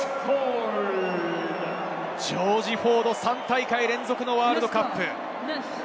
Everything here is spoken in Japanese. ジョージ・フォード、３大会連続のワールドカップ。